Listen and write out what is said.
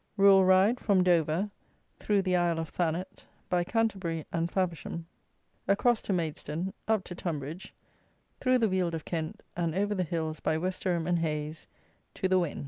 RURAL RIDE FROM DOVER, THROUGH THE ISLE OF THANET, BY CANTERBURY AND FAVERSHAM, ACROSS TO MAIDSTONE, UP TO TONBRIDGE, THROUGH THE WEALD OF KENT, AND OVER THE HILLS BY WESTERHAM AND HAYS, TO THE WEN.